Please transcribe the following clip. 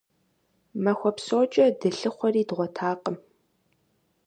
Махуэ псокӀэ дылъыхъуэри дгъуэтакъым.